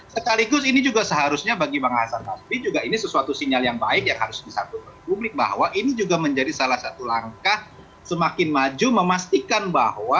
sekaligus ini juga seharusnya bagi bang azhar nasri juga ini sesuatu sinyal yang baik yang harus disampaikan kepada publik bahwa ini juga menjadi salah satu langkah semakin maju memastikan bahwa